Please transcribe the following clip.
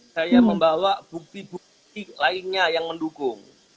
saya membawa bukti bukti lainnya yang mendukung